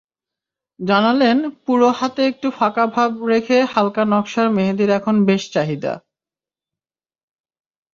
জানালেন, পুরো হাতে একটু ফাঁকাভাব রেখে হালকা নকশার মেহেদির এখন বেশ চাহিদা।